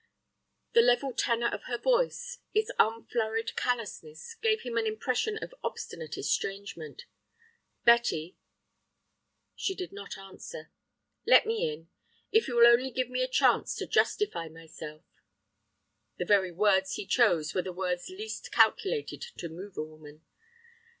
The level tenor of her voice, its unflurried callousness, gave him an impression of obstinate estrangement. "Betty." She did not answer. "Let me in. If you will only give me a chance to justify myself—" The very words he chose were the words least calculated to move a woman.